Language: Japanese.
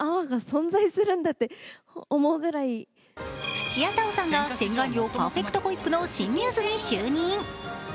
土屋太鳳さんが洗顔料パーフェクトホイップの新ミューズに就任。